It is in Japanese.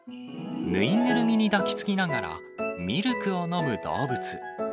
縫いぐるみに抱きつきながら、ミルクを飲む動物。